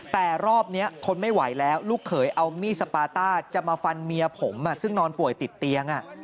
แต่รอบนี้ทนไม่ไหวแล้วลูกเขยเอามีดสปาต้าจะมาฟันเมียผมซึ่งนอนป่วยติดเตียง